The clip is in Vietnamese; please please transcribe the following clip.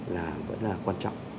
là vẫn là quan trọng